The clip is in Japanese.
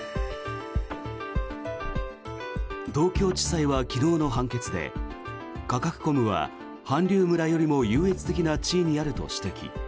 東京地裁は昨日の判決でカカクコムは韓流村よりも優越的な地位にあると指摘。